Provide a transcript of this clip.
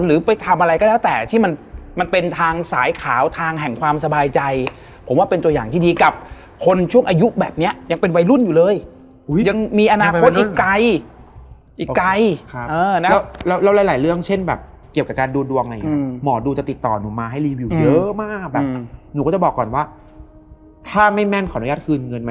หันออกทีวีขาบเท้าออกทีวีหนูก็นอน